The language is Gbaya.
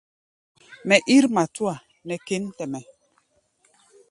Mɛ ír matúa nɛ kěn tɛ-mɛ́.